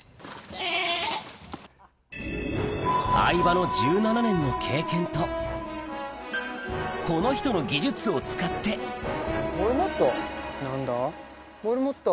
相葉の１７年の経験とこの人の技術を使ってモルモット？